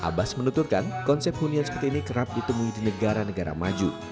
abbas menuturkan konsep hunian seperti ini kerap ditemui di negara negara maju